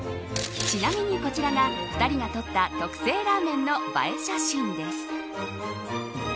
ちなみに、こちらが２人が撮った特製ラーメンの映え写真です。